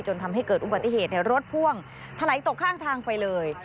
ทำให้เกิดอุบัติเหตุรถพ่วงถลายตกข้างทางไปเลย